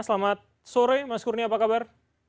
selamat sore mas kurni apa kabar